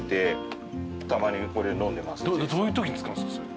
どういうときに使うんすか？